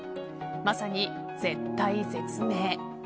まさに絶対絶命。